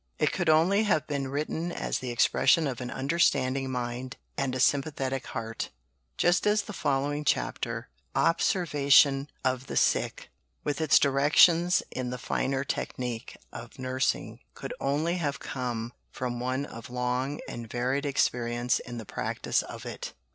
It could only have been written as the expression of an understanding mind and a sympathetic heart; just as the following chapter, "Observation of the Sick," with its directions in the finer technique of nursing, could only have come from one of long and varied experience in the practice of it.